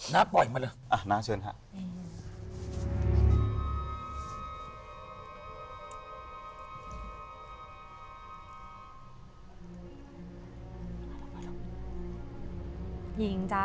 น้าปล่อยมาเลย